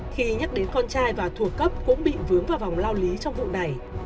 khi nhắc đến con trai và thuộc cấp cũng bị vướng vào vòng lao lý trong vụ này